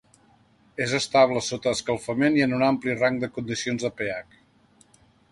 És estable sota escalfament i en un ampli rang de condicions de pH.